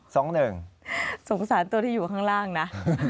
สงสารตัวที่อยู่ข้างล่างนะ